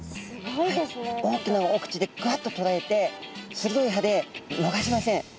大きなお口でグワッととらえて鋭い歯で逃しません。